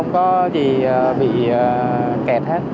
nó chỉ bị kẹt hết